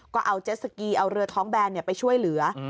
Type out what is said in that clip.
ก็เอาเจสสกีเอาเรือท้องแบนไปช่วยเหลือ